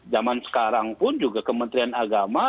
zaman sekarang pun juga kementerian agama